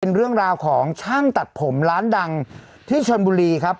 เป็นเรื่องราวของช่างตัดผมร้านดังที่ชนบุรีครับ